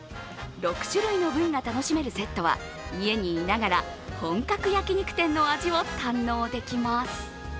６種類の部位が楽しめるセットは家にいながら本格焼き肉店の味を堪能できます。